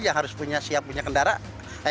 yang harus punya siap punya kendaraan